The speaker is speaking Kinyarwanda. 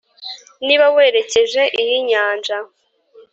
niba werekeje iy’inyanja